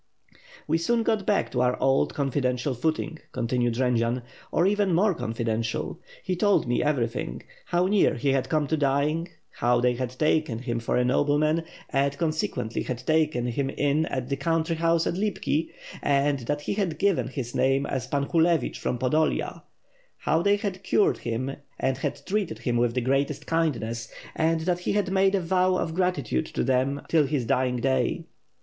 "We soon got back to our old confidential footing," con tinued Jendzian, "or even more confidential. He told me everything; how near he had come to dying; how they had taken him for a nobleman and, consequently, had taken him in at the country house at Lipki, and that he had given his name as Pan Hulevich from Podolia, how they had cured him and had treated him with the greatest kindness,, and that he had made a vow of gratitude to them till his dying day."